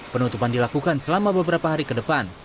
penutupan dilakukan selama beberapa hari ke depan